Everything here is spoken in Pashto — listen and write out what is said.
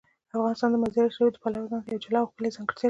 افغانستان د مزارشریف د پلوه ځانته یوه جلا او ښکلې ځانګړتیا لري.